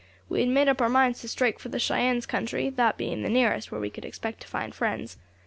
We had made up our minds to strike for the Cheyennes' country, that being the nearest where we could expect to find friends.